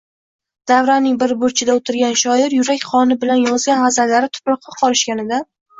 Davraning bir burchida o’tirgan shoir yurak qoni bilan yozgan g’azallari tuproqqa qorishganidan